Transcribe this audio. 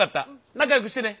仲良くしてね！